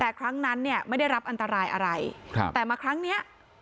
แต่ครั้งนั้นเนี่ยไม่ได้รับอันตรายอะไรครับแต่มาครั้งเนี้ย